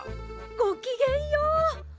ごきげんよう！